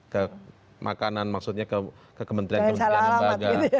ke makanan maksudnya ke kementerian kementerian lembaga